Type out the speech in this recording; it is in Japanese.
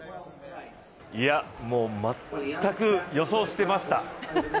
もう全く、予想してました。